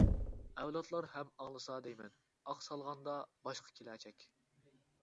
ئەۋلادلار ھەم ئاڭلىسا دەيمەن، ئاق سالغاندا باشقا كېلەچەك.